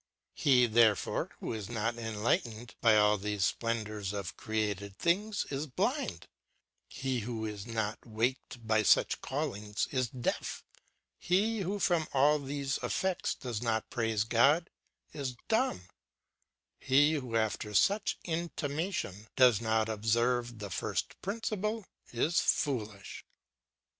He, therefore, who is not en lightened by all these splendors of created things is blind ; he who is not waked by such callings is deaf ; he who from all these effects does not praise God is dumb ; he who after such intimation does not observe the First Principle is foolish.